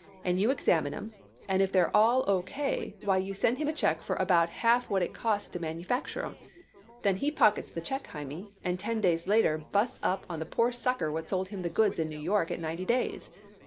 And you examine 'em, and if they're all O. K., why, you send him a check for about half what it costs to manufacture 'em. Then he pockets the check, Hymie, and ten days later busts up on the poor sucker what sold him the goods in New York at ninety days.